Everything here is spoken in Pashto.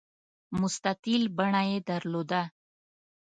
مستطیل بڼه یې درلوده.